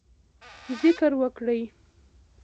ذکر وکړئ